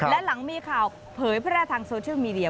และหลังมีข่าวเผยแพร่ทางโซเชียลมีเดีย